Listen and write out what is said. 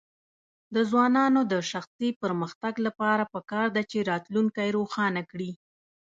د ځوانانو د شخصي پرمختګ لپاره پکار ده چې راتلونکی روښانه کړي.